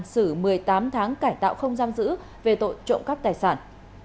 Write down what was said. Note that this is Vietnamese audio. xử một mươi tám tháng cải tạo không giam giữ về tội trộm cắp tài sản